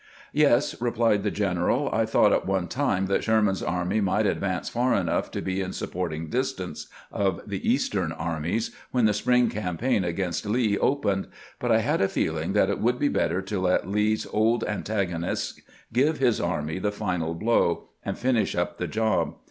"Yes," replied the general; "I thought at one time that Sherman's army might ad vance far enough to be in supporting distance of the Eastern armies when the spring campaign against Lee opened ; but I had a feeling that it would be better to let Lee's old antagonists give his army the final blow, and finish up the job.